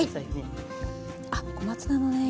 あっ小松菜のね